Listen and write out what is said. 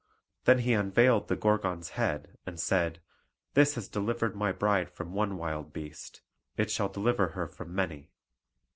Then he unveiled the Gorgon's head, and said, "This has delivered my bride from one wild beast; it shall deliver her from many."